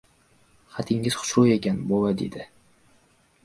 — Xatingiz xushro‘y ekan, bova, — dedi.